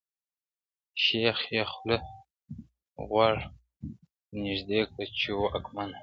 شیخ یې خوله غوږ ته نیژدې کړه چي واکمنه-